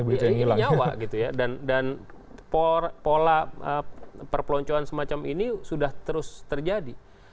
dia ingin nyawa gitu ya dan pola perpeloncoan semacam ini sudah terus terjadi